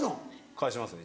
返しますね